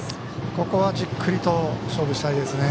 ここは、じっくりと勝負したいですね。